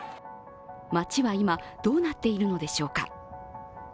街は今どうなっているのでしょうか。